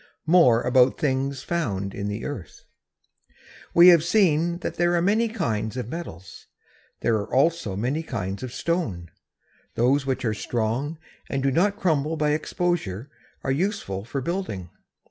MORE ABOUT THINGS FOUND IN THE EARTH. [Illustration: A GRANITE QUARRY.] We have seen that there are many kinds of metals. There are also many kinds of stone. Those which are strong and do not crumble by exposure are useful for building.